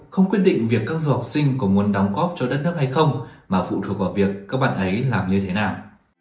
không quyết định việc các du học sinh có muốn đóng góp cho đất nước hay không mà phụ thuộc vào việc các bạn ấy làm như thế nào